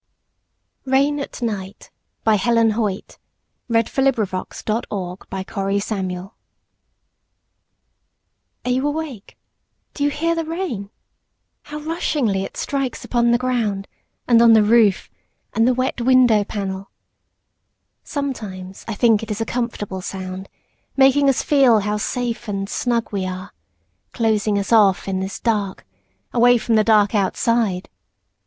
Rain at Night By Helen Hoyt ARE you awake? Do you hear the rain? How rushingly it strikes upon the ground, And on the roof, and the wet window pane! Sometimes I think it is a comfortable sound, Making us feel how safe and snug we are:Closing us off in this dark, away from the dark outside.